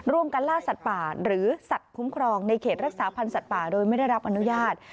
ร่วมกันล่าสัตว์ป่าหรือสัตว์คุ้มครองในเขตรักษาพันธ์สัตว์ป่าโดยไม่ได้รับอนุญาต